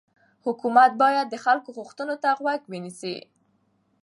حکومت باید د خلکو غوښتنو ته غوږ ونیسي